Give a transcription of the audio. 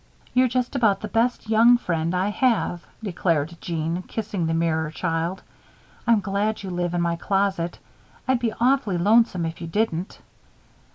"You're just about the best young friend I have," declared Jeanne, kissing the mirror child. "I'm glad you live in my closet I'd be awfully lonesome if you didn't."